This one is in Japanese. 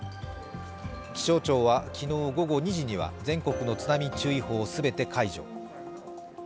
気象庁は、昨日午後２時には全国の津波注意報を全て解除。